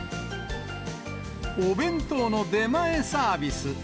お弁当の出前サービス。